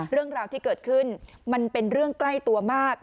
เรื่องราวที่เกิดขึ้นมันเป็นเรื่องใกล้ตัวมาก